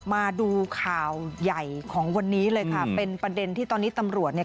มาดูข่าวใหญ่ของวันนี้เลยค่ะเป็นประเด็นที่ตอนนี้ตำรวจเนี่ย